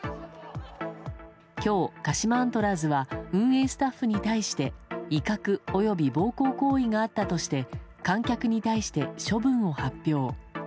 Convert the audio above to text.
きょう、鹿島アントラーズは、運営スタッフに対して威嚇および暴行行為があったとして、観客に対して処分を発表。